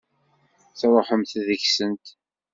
Tṛuḥemt deg-sent.